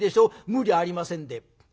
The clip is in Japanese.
無理ありませんで。